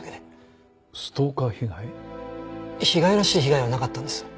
被害らしい被害はなかったんです。